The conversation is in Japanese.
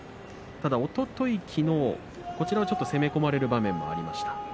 ただ、おととい、きのうこちらはちょっと攻め込まれる場面もありました。